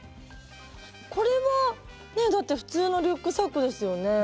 これはだって普通のリュックサックですよね。